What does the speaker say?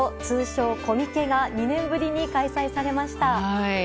通称コミケが２年ぶりに開催されました。